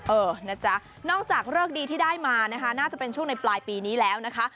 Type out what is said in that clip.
เออนะจ๊ะนอกจากเลิกดีที่ได้มานะคะน่าจะเป็นช่วงในปลายปีนี้แล้วนะคะ